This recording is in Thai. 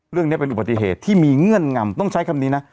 เรื่องนี้เป็นอุบัติเหตุที่มีเงื่อนงำต้องใช้คำนี้นะ